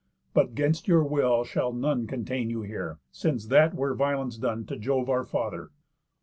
But 'gainst your will shall none Contain you here, since that were violence done To Jove our Father.